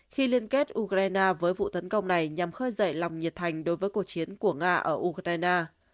khi liên kết ukraine với vụ tấn công này nhằm khơi dậy lòng nhiệt thành đối với cuộc chiến của nga ở ukraine